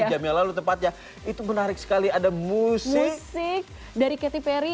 dua jam yang lalu tepatnya itu menarik sekali ada musik dari catty perry